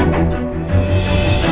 bi ambil yang itu dong please